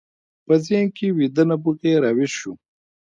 په ذهن کې ويده نبوغ يې را ويښ شو.